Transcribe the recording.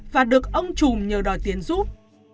và được ông trùm nhờ đòi tiền giúp